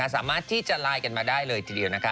สามารถที่จะไลข์กันมาได้เลยงั้นนะคะ